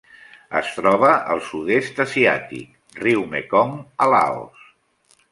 Es troba al Sud-est asiàtic: riu Mekong a Laos.